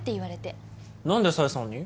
何で紗英さんに？